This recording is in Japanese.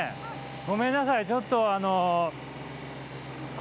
ごめんなさいちょっと。